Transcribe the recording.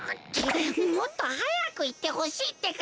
もっとはやくいってほしいってか！